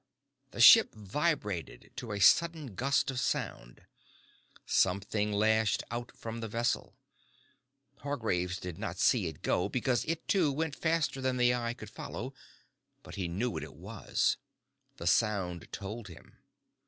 _ The ship vibrated to a sudden gust of sound. Something lashed out from the vessel. Hargraves did not see it go because it, too, went faster than the eye could follow. But he knew what it was. The sound told him.